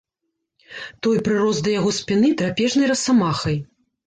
Той прырос да яго спіны драпежнай расамахай.